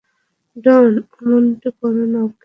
ডন, অমনটা করো না, ওকে?